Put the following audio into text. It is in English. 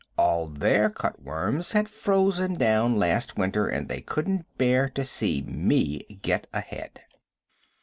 All their cut worms had frozen down last winter, and they couldn't bear to see me get ahead.